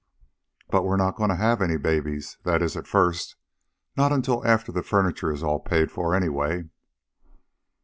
"But we're not going to have any babies... that is, at first. Not until after the furniture is all paid for anyway."